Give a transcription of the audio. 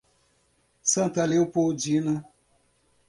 Santa Leopoldina